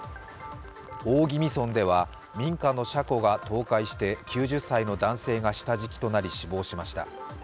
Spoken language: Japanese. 大宜味村では民家の車庫が倒壊して９０歳の男性が下敷きとなり死亡しました。